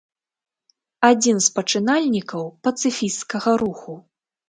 Адзін з пачынальнікаў пацыфісцкага руху.